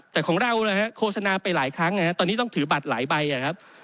แต่ของเรานะฮะโฆษณาไปหลายครั้งตอนนี้ต้องถือบัตรหลายใบนะครับ